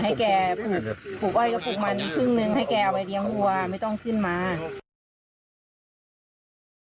ให้แกปลูกปลูกไว้ก็ปลูกมันครึ่งหนึ่งให้แกเอาไปเลี้ยงหัว